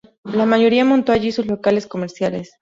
La mayoría montó allí sus locales comerciales.